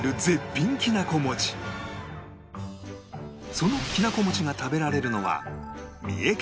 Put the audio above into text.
そのきなこ餅が食べられるのは